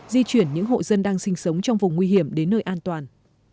di chuyển những hộ dân đang sinh sống trong vùng nguy hiểm đến nơi an toàn